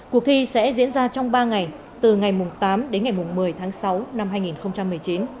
cuộc thi sẽ diễn ra trong ba ngày từ ngày tám đến ngày một mươi tháng sáu năm hai nghìn một mươi chín